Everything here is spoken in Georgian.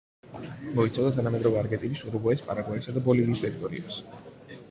მოიცავდა თანამედროვე არგენტინის, ურუგვაის, პარაგვაისა და ბოლივიის ტერიტორიებს.